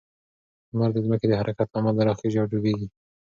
لمر د ځمکې د حرکت له امله راخیژي او ډوبیږي.